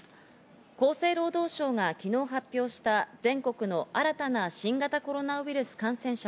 厚生労働省が昨日発表した全国の新たな新型コロナウイルス感染者